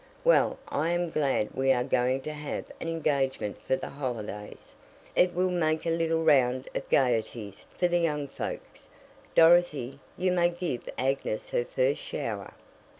"Well, I am glad we are going to have an engagement for the holidays. It will make a little round of gaieties for the young folks. Dorothy, you may give Agnes her first shower."